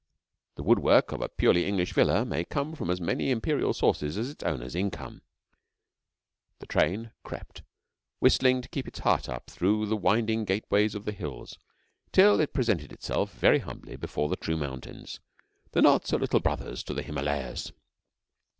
The woodwork of a purely English villa may come from as many Imperial sources as its owner's income. The train crept, whistling to keep its heart up, through the winding gateways of the hills, till it presented itself, very humbly, before the true mountains, the not so Little Brothers to the Himalayas.